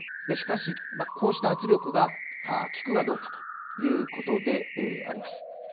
しかし、こうした圧力が効くかどうかということであります。